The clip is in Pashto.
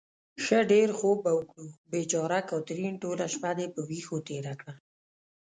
ښه ډېر خوب به وکړو. بېچاره کاترین، ټوله شپه دې په وېښو تېره کړه.